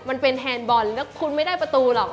มันเป็นแฮนด์บอลแล้วคุณไม่ได้ประตูหรอก